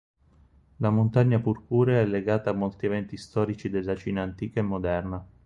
La Montagna Purpurea è legata a molti eventi storici della Cina antica e moderna.